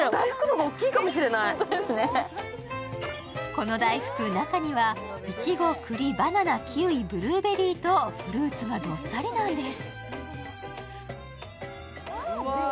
この大福、中には、いちご、くり、バナナ、キウイ、ブルーベリーとフルーツがどっさりなんです。